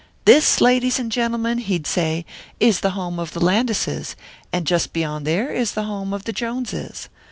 "'This, ladies and gentlemen,' he'd say, 'is the home of the Landises, and just beyond there is the home of the Joneses.